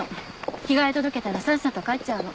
着替え届けたらさっさと帰っちゃうの。